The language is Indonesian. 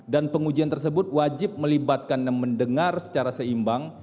dan pengujian tersebut wajib melibatkan dan mendengar secara seimbang